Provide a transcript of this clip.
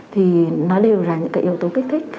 thì nó đều là những cái yếu tố kích thích